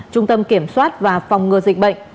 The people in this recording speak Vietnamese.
trung tâm kiểm soát và phòng ngừa dịch bệnh